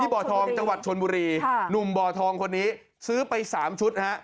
บ่อทองชนบุรีนุ่มบ่อทองคนนี้ซื้อไป๓ชุดนะฮะ